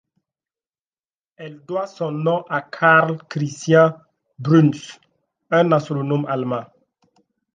Elle doit son nom à Karl Christian Bruhns, un astronome allemand.